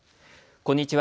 こんにちは。